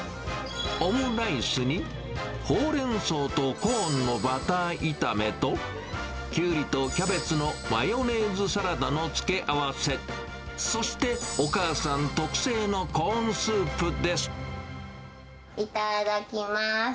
オムライスに、ほうれんそうとコーンのバター炒めと、キュウリとキャベツのマヨネーズサラダの付け合わせ、そして、お母さん特製のコーンスいただきます。